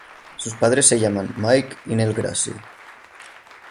Sus padres se llaman Mike y Nel Grassi.